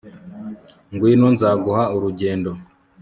Ngwino nzaguha urugendo